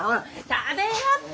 食べよって！